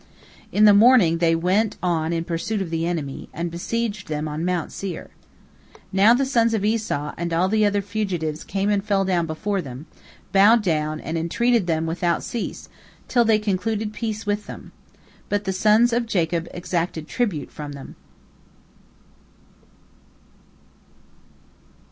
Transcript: In the morning they went on in pursuit of the enemy, and besieged them on Mount Seir. Now the sons of Esau and all the other fugitives came and fell down before them, bowed down, and entreated them without cease, until they concluded peace with them. But the sons of Jacob exacted tribute from them.